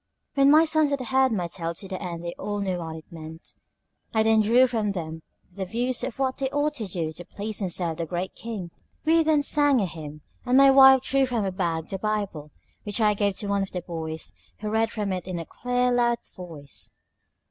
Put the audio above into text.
When my sons had heard my tale to the end they all knew what it meant; I then drew from them their views of what they ought to do to please and serve the Great King. We then sang a hymn; and my wife drew from her bag the BIBLE, which I gave to one of the boys, who read from it in a clear, loud voice.